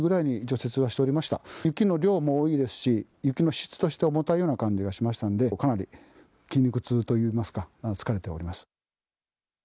雪の量も多いですし雪の質として重たい感じがしたのでかなり筋肉痛といいますか疲れております。